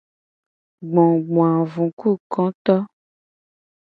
Gbogboavukukoto.